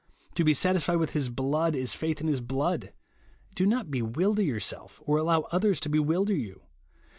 To be satisfied with his blood, is faith in his blood. Do not bewilder your self, or allow others to bewilder you.